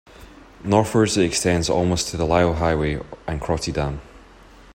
Northwards it extends almost to the Lyell Highway and Crotty Dam.